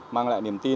mang lại niềm tin